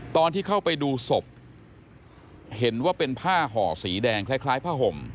ตอนที่เข้าไปดูศพเห็นว่าเป็นผ้าห่อสีแดงคล้ายผ้าห่ม